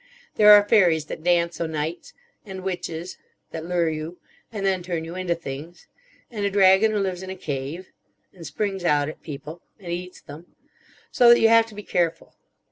There are fairies that dance o' nights. And Witches. That lure you. And then turn you into things. And a dragon who lives in a cave. And springs out at people. And eats them. So that you have to be careful.